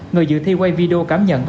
người dự thi quay video cảm nhận